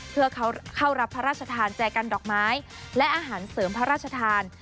เพื่อเข้ารับพระราชทานแจกันดอกไม้และอาหารเสริมพระราชทาน